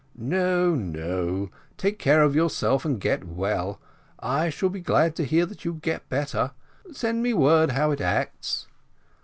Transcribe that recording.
"No, no; take care of yourself, and get well; I shall be glad to hear that you get better. Send me word how it acts."